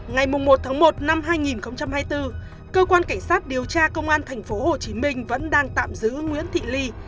ngày một tháng một năm hai nghìn hai mươi bốn cơ quan cảnh sát điều tra công an tp hcm vẫn đang tạm giữ nguyễn thị ly